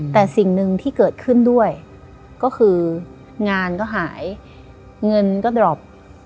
แต่สิ่งหนึ่งที่เกิดขึ้นด้วยก็คืองานก็หายเงินก็ดรอป